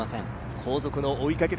後続の追いかける